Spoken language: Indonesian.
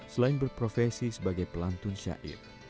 selain berprofesi sebagai pelantun syair